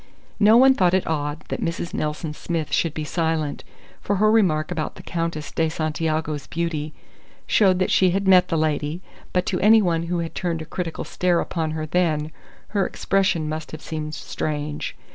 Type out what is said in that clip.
No one thought it odd that Mrs. Nelson Smith should be silent, for her remark about the Countess de Santiago's beauty showed that she had met the lady; but to any one who had turned a critical stare upon her then, her expression must have seemed strange.